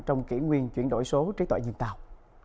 trong kỷ nguyên chuyển đổi số trí tuệ nhân tạo